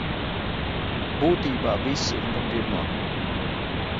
Būtībā viss ir pa pirmo.